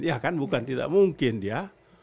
ya kan bukan tidak mungkin dia